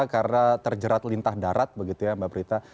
karena terjerat lintah darat begitu ya mbak prita